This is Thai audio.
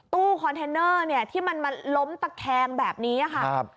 ตู้คอนเทนเนอร์เนี่ยที่มันมาล้มตะแคงแบบนี้ค่ะ